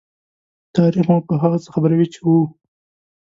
تاریخ مو په هغه څه خبروي چې وو.